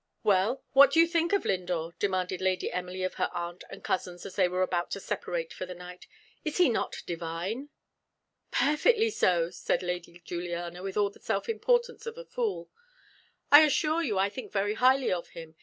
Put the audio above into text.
"Well what do you think of Lindore?" demanded Lady Emily of her aunt and cousins, as they were about to separate for the night. "Is he not divine?" "Perfectly so!" replied Lady Juliana, with all the self importance of a fool. "I assure you I think very highly of him.